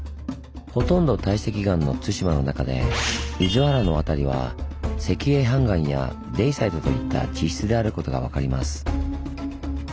ほとんど堆積岩の対馬の中で厳原の辺りは石英斑岩やデイサイトといった地質であることが分かります。